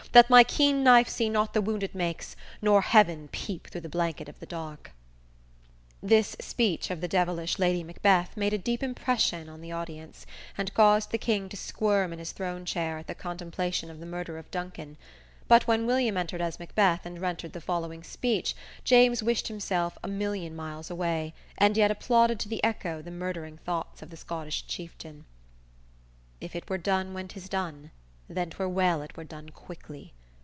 That my keen knife see not the wound it makes; Nor heaven peep through the blanket of the dark!"_ This speech of the devilish Lady Macbeth made a deep impression on the audience, and caused the King to squirm in his throne chair at the contemplation of the murder of Duncan, but when William entered as Macbeth and rendered the following speech James wished himself a million miles away, and yet applauded to the echo the murdering thoughts of the Scottish chieftain: _"If it were done, when 'tis done, then 'twere well It were done quickly.